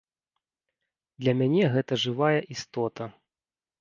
Для мяне гэта жывая істота.